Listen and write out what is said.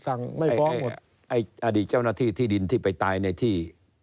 อะดีเจ้าหน้าที่ที่ดินที่ไปตายในที่